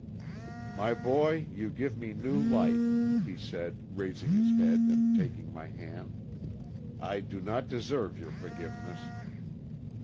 "My boy, you give me new life," he said, raising his head and taking my hand. "I do not deserve your forgiveness."